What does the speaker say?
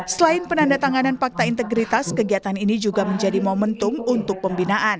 selain penanda tanganan fakta integritas kegiatan ini juga menjadi momentum untuk pembinaan